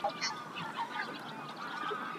Na phungchim kaa lungsi tuk.